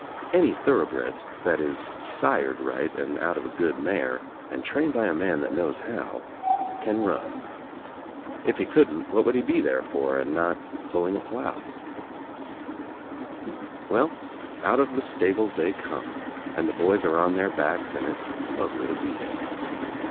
Any thorough bred, that is sired right and out of a good mare and trained by a man that knows how, can run. If he couldn't what would he be there for and not pulling a ^dIow ? ^^L Well, out of the stables they come and the boys ^^■c on their backs and it's lovely to be there.